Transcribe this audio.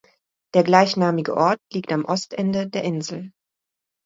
Der gleichnamige Ort liegt am Ostende der Insel.